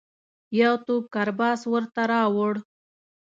یو توپ کرباس ورته راووړ.